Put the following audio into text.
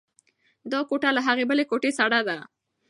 دا کوټه له هغې بلې کوټې سړه ده.